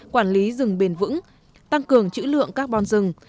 quản lý rừng bền vững tăng cường chữ lượng carbon rừng